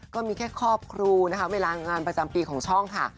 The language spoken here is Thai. ก็มีแค่ครอบครูนะคะเวลางานประจำปีของช่องค่ะ